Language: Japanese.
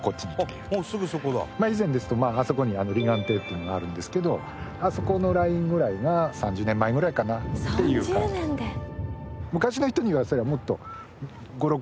以前ですとあそこに離岸堤っていうのがあるんですけどあそこのラインぐらいが３０年前ぐらいかなっていう感じです。